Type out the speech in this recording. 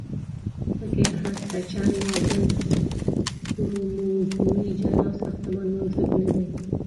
پکې هستچه یا بل کروموزومي جلا ساختمان موجود نه دی.